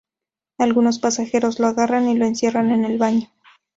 Algunos pasajeros lo agarran y lo encierran en el baño.